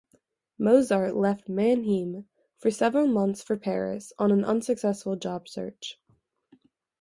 Mozart left Mannheim for several months for Paris on an unsuccessful job search.